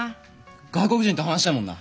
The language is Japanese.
外国人と話したいもんな。